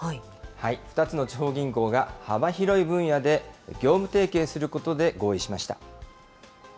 ２つの地方銀行が幅広い分野で業務提携することで合意しまし